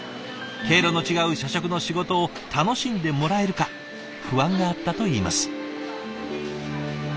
毛色の違う社食の仕事を楽しんでもらえるか不安があったといいます。